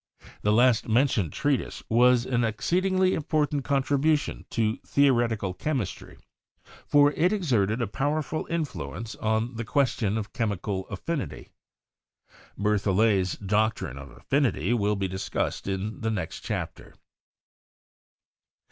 The last mentioned treatise was an exceedingly important contribution to theoretical chem istry, for it exerted a powerful influence on the question of chemical affinity. Berthollet's doctrine of affinity will be discussed in the next chapter.